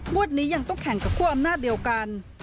นี้ยังต้องแข่งกับคั่วอำนาจเดียวกัน